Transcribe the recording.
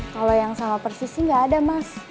kalau yang sama persis sih nggak ada mas